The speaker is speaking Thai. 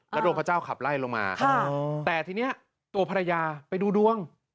ดวงพระเจ้าขับไล่ลงมาแต่ทีนี้ตัวภรรยาไปดูดวง